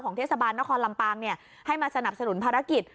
เทศบาลนครลำปางให้มาสนับสนุนภารกิจ